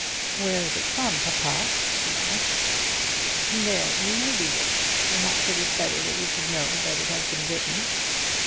"Where is it from, papa?" she asked. "There, you may read it. Perhaps it is better that you should know that it has been written."